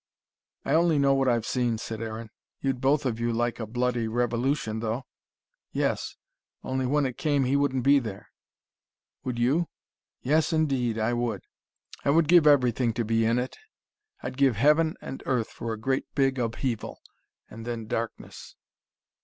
"I only know what I've seen," said Aaron. "You'd both of you like a bloody revolution, though." "Yes. Only when it came he wouldn't be there." "Would you?" "Yes, indeed I would. I would give everything to be in it. I'd give heaven and earth for a great big upheaval and then darkness."